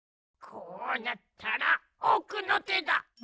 こうなったらおくのてだ。